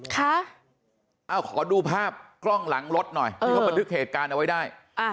ขอดูภาพกล้องหลังรถหน่อยที่เขาบันทึกเหตุการณ์เอาไว้ได้